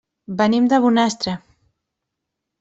Venim de Bonastre.